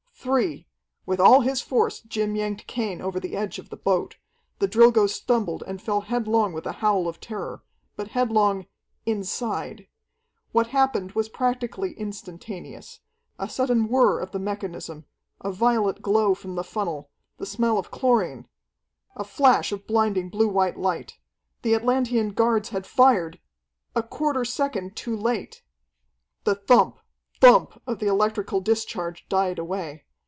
"Three!" With all his force Jim yanked Cain over the edge of the boat. The Drilgo stumbled and fell headlong with a howl of terror. But headlong inside. What happened was practically instantaneous. A sudden whir of the mechanism, a violet glow from the funnel, the smell of chlorine a flash of blinding blue white light. The Atlantean guards had fired a quarter second too late! The thump, thump of the electrical discharge died away.